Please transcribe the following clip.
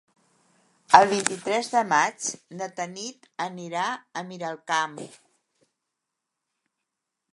El vint-i-tres de maig na Tanit anirà a Miralcamp.